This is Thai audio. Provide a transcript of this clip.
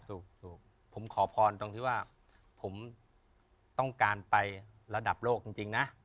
ถูกผมขอพรตรงที่ว่าผมต้องการไประดับโลกจริงนะ